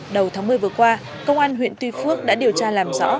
đầu tháng một mươi vừa qua công an huyện tuy phước đã điều tra làm rõ